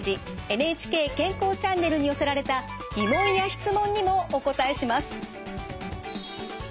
「ＮＨＫ健康チャンネル」に寄せられた疑問や質問にもお答えします。